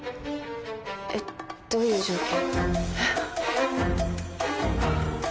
えっどういう状況？